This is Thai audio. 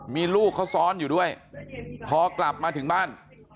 มีลูกเขาซ้อนอยู่ด้วยพอกลับมาถึงบ้าน